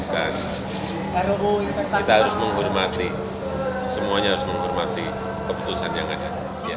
kita harus menghormati semuanya harus menghormati keputusan yang ada